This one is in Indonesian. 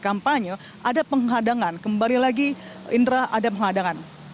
kampanye ada penghadangan kembali lagi indra ada penghadangan